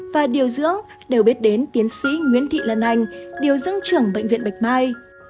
và điều dưỡng đều biết đến tiến sĩ nguyễn thị lan anh điều dưỡng trưởng bệnh viện bạch mai